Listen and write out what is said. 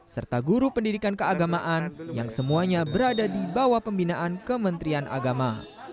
serta guru pendidikan keagamaan yang semuanya berada di bawah pembinaan kementerian agama